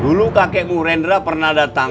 bukan cuma dongeng